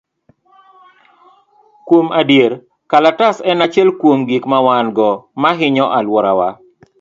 Kuom adier, kalatas en achiel kuom gik ma wan go ma hinyo alworawa.